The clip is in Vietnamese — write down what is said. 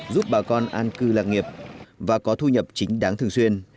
giúp bà con an cư lạc nghiệp và có thu nhập chính đáng thường xuyên